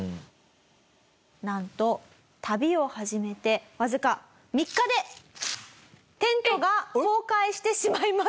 なんと旅を始めてわずか３日でテントが崩壊してしまいます。